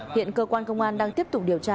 hiện cơ quan công an đang tiếp tục điều tra